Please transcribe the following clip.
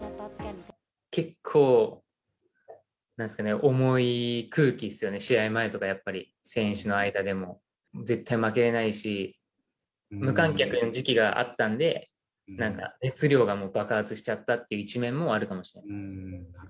結構、なんていうんですかね、重い空気ですよね、試合前とか、やっぱり、選手の間でも、絶対負けれないし、無観客の時期があったんで、なんか、熱量がもう、爆発しちゃったっていう一面もあるかもしれないです。